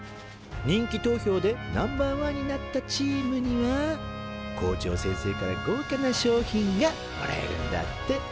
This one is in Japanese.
人気投票でナンバーワンになったチームには校長先生からごうかな賞品がもらえるんだって！